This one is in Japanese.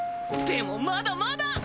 でもまだまだ！